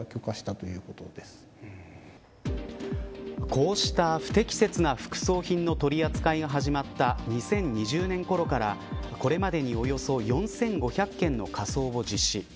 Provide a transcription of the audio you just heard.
こうした不適切な副葬品の取り扱いが始まった２０２０年ごろからこれまでにおよそ４５００件の火葬を実施。